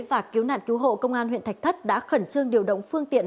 và cứu nạn cứu hộ công an huyện thạch thất đã khẩn trương điều động phương tiện